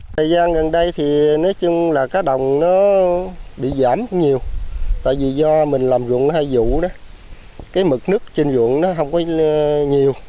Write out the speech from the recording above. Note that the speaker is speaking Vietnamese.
thời gian gần đây thì nói chung là cá đồng nó bị giảm cũng nhiều tại vì do mình làm ruộng hai vụ đó cái mực nước trên ruộng nó không có nhiều